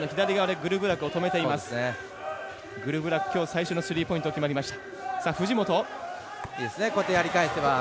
グルブラク、きょう最初のスリーポイントが決まりました。